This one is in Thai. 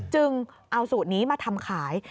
จึงเอาสูตรนี้มาทำขาย